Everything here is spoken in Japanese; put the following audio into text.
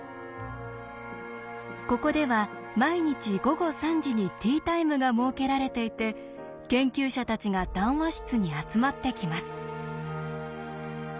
ここでは毎日午後３時にティータイムが設けられていて研究者たちが談話室に集まってきます。